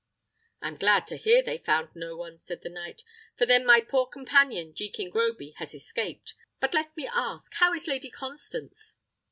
"I am glad to hear they found no one," said the knight; "for then my poor companion, Jekin Groby, has escaped. But, let me ask, how is Lady Constance!"